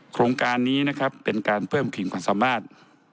โครงการนี้นะครับเป็นการเพิ่มขีดความสามารถ